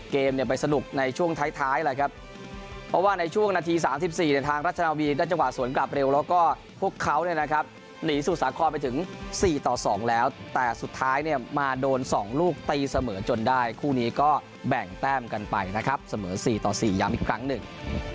เกมเนี่ยไปสนุกในช่วงท้ายแหละครับเพราะว่าในช่วงนาที๓๔เนี่ยทางรัชนาวีได้จังหวะสวนกลับเร็วแล้วก็พวกเขาเนี่ยนะครับหนีสู่สาครไปถึง๔ต่อ๒แล้วแต่สุดท้ายเนี่ยมาโดน๒ลูกตีเสมอจนได้คู่นี้ก็แบ่งแต้มกันไปนะครับเสมอ๔ต่อ๔ย้ำอีกครั้งหนึ่ง